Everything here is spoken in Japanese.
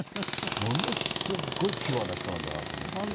ものすごいピュアな人なんだなと思って。